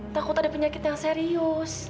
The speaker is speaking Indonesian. takut ada penyakit yang serius